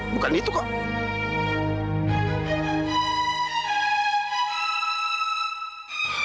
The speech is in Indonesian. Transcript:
bukan itu kok